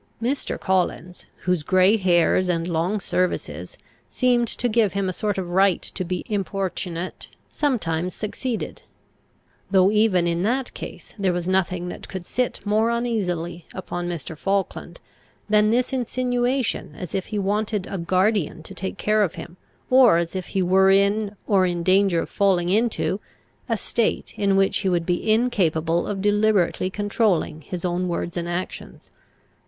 Mr. Collins, whose grey hairs and long services seemed to give him a sort of right to be importunate, sometimes succeeded; though even in that case there was nothing that could sit more uneasily upon Mr. Falkland than this insinuation as if he wanted a guardian to take care of him, or as if he were in, or in danger of falling into, a state in which he would be incapable of deliberately controlling his own words and actions.